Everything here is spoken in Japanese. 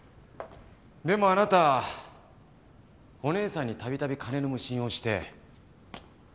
でもあなたお姉さんにたびたび金の無心をして断られてますよね？